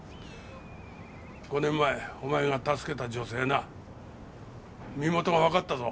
５年前お前が助けた女性な身元がわかったぞ。